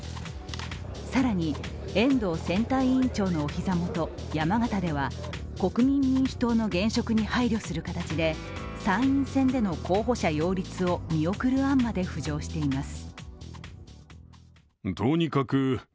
更に、遠藤選対委員長のお膝元・山形では国民民主党の現職に配慮する形で参院選での候補者擁立を見送る案まで浮上しています。